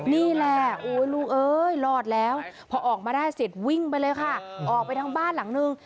นี่แหละโอ้ยลูกเอ้ยรอดแล้วพอออกมาได้เสร็จวิ่งไปเลยค่ะออกไปทางบ้านหลังนึง